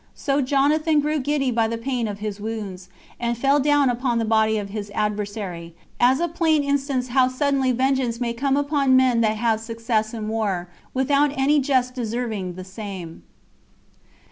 So Jonathan grew giddy by the pain of his wounds, and fell down upon the body of his adversary, as a plain instance how suddenly vengeance may come upon men that have success in war, without any just deserving the same.